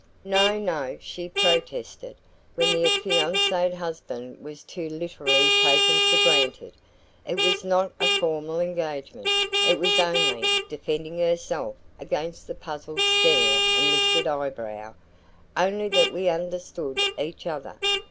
"No, no," she protested, when the affianced husband was too literally taken for granted; "it was not a formal engagement. It was only" defending herself against the puzzled stare and lifted eyebrow "only that we understood each other.